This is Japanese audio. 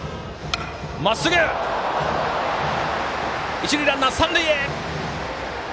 一塁ランナー、三塁へ！